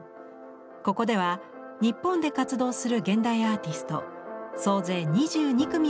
ここでは日本で活動する現代アーティスト総勢２２組を紹介する展覧会が開催されています。